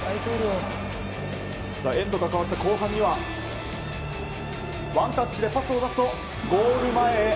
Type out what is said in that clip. エンドが変わった後半にはワンタッチでパスを出すとゴール前へ。